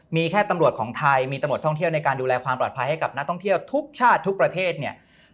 มีแค่ตำรวจของไทยมีตำรวจท่องเที่ยวในการดูแลความปลอดภัยให้กับนักท่องเที่ยวทุกชาติทุกประเทศเนี่ย